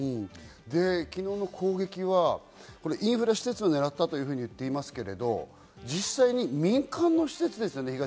昨日の攻撃はインフラ施設を狙ったと言っていますが、実際に民間の施設ですよね。